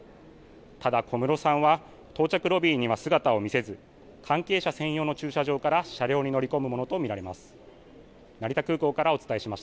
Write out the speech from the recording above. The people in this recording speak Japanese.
ただ、小室さんは到着ロビーには姿を見せず、関係者専用の駐車場から車両に乗り込むものと見られます。